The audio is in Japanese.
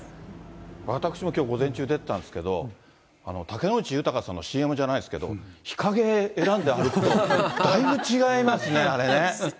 私もきょう午前中、出てたんですけど、竹野内豊さんのＣＭじゃないですけど、日陰選んで歩くと、だいぶ違いますね、あれね。